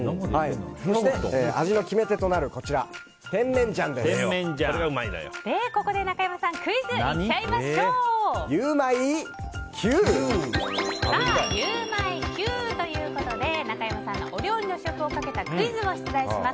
そして、味の決め手となるここで中山さんゆウマいＱ！ゆウマいＱということで中山さんのお料理の試食をかけたクイズを出題します。